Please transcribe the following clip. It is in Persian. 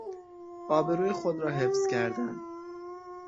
آبروی خود را حفظ کردن